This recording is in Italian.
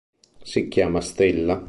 Si chiama Stella.